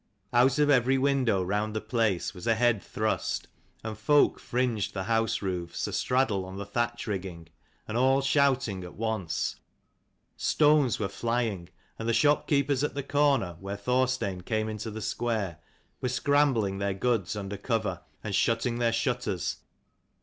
Out of every window round the place was a head thrust, and folk fringed the house roofs a straddle on the thatch rigging, and all shouting at once. Stones were flying; and the shopkeepers at the corner, where Thorstein came into the square, were scrambling their goods under cover and shutting their shutters.